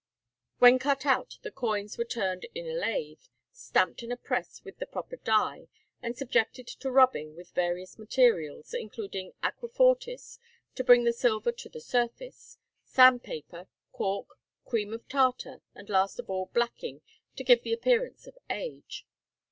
When cut out the coins were turned in a lathe, stamped in a press with the proper die, and subjected to rubbing with various materials, including aquafortis to bring the silver to the surface, sand paper, cork, cream of tartar, and last of all blacking to give the appearance of age.